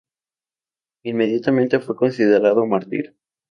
Inmediatamente fue considerado mártir.